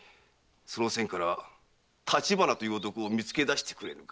その線から立花という男を見つけだしてくれぬか？